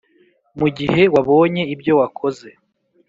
mugihe wabonye ibyo wakoze.